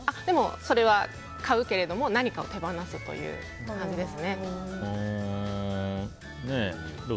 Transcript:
それは買うけれども何かを手放すという感じですね。